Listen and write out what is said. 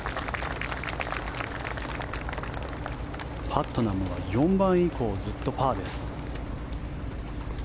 パットナムは４番以降ずっとパーです。